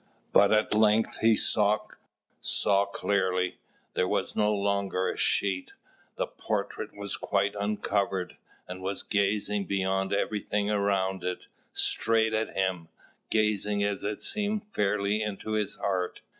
But at length he saw saw clearly; there was no longer a sheet the portrait was quite uncovered, and was gazing beyond everything around it, straight at him; gazing as it seemed fairly into his heart.